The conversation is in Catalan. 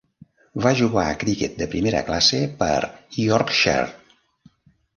Va jugar a criquet de primera classe per Yorkshire.